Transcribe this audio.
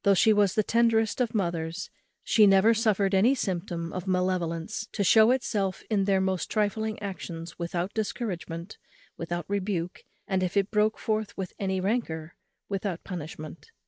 Though she was the tenderest of mothers, she never suffered any symptom of malevolence to shew itself in their most trifling actions without discouragement, without rebuke, and, if it broke forth with any rancour, without punishment.